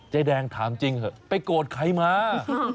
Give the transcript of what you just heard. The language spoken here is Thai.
แดงถามจริงเถอะไปโกรธใครมา